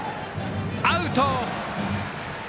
アウト。